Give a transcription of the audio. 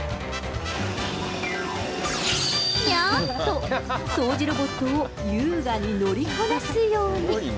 にゃんと、掃除ロボットを優雅に乗りこなすように。